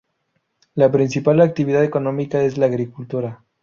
La principal actividad económica es la agricultura.